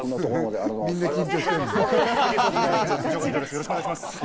よろしくお願いします！